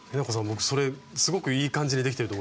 もうそれすごくいい感じでできてると思います。